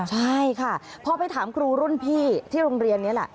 ใช่ค่ะพอไปถามครูรุ่นพี่ที่โรงเรียนนี้แหละ